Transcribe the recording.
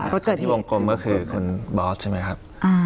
เกิดที่วงกลมก็คือคุณบอสใช่ไหมครับ